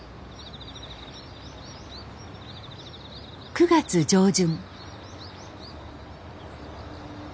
９月上旬。